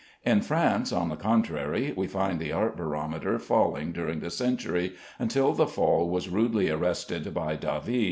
In France, on the contrary, we find the art barometer falling during the century, until the fall was rudely arrested by David.